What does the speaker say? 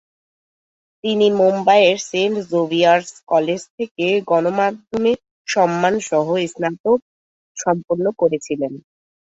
তিনি মুম্বাইয়ের Saint Xavier's College থেকে গণমাধ্যমে সম্মান সহ স্নাতক সম্পন্ন করেছিলেন।